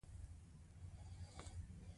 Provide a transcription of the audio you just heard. اوس خو.